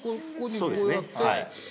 そうですね。